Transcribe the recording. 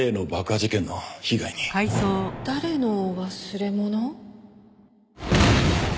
誰の忘れ物？